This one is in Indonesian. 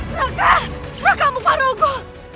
raka raka bubuk rohku